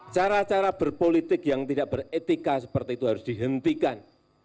cara cara berpolitik yang tidak beretika seperti itu harus dihentikan